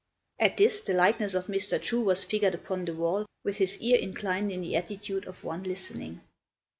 At this, the likeness of Mr. Chu was figured upon the wall, with his ear inclined in the attitude of one listening.